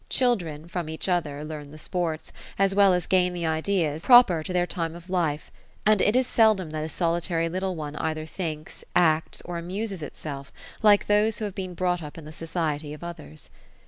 Children, from each other, learn the sports, as well as gain the ideas, proper to their time of life : and it is seldom that a solitary little one cither thinks, acts, or amuses itself like those who have been brought up in the society of others.